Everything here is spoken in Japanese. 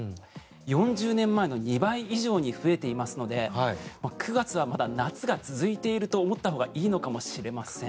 ４０年前の２倍以上に増えていますので９月はまだ夏が続いていると思ったほうがいいのかもしれません。